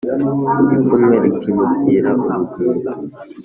ipfunwe rikimukira urugwiro